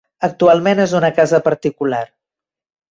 Actualment és una casa particular.